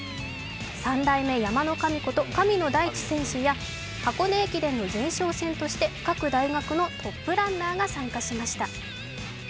３代目、山の神こと神野大地選手や箱根駅伝の前哨戦として各大学のトップランナーが参加しました。